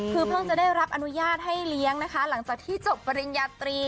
คือเพิ่งจะได้รับอนุญาตให้เลี้ยงนะคะหลังจากที่จบปริญญาตรี